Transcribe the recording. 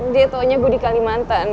dia taunya gue di kalimantan